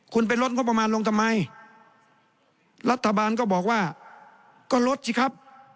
คุณไปลดงบประมาณลงทำไมรัฐบาลก็บอกว่าก็ลดสิครับ